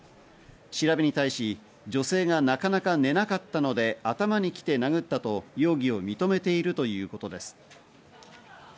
調べに対し、女性がなかなか寝なかったので頭にきて殴ったと容疑を認めているということです。